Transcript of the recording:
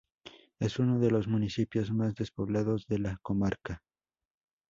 Es uno de los municipios más despoblados de la comarca.